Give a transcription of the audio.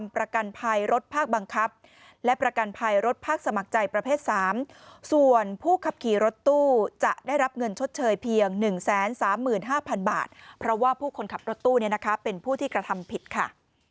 ประตูนี้นะคะเป็นผู้ที่กระทำผิดค่ะ